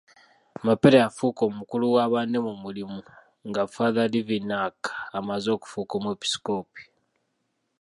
Mapeera yafuuka omukulu wa banne mu mulimu, nga Father Livinhac amaze okufuuka Omwepiskopi.